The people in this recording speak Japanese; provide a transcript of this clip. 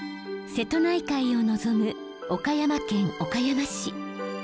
瀬戸内海を望む岡山県岡山市。